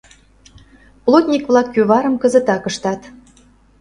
Плотник-влак кӱварым кызытак ыштат.